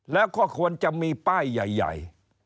แล้วก็ควรจะมีป้ายใหญ่